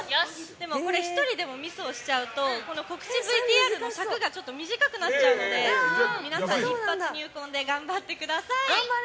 でも１人でもミスをしちゃうと告知ＶＴＲの尺が短くなっちゃうので皆さん、一発入魂で頑張ってください。